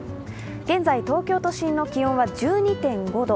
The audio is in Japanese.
現在、東京都心の気温は１２．５度。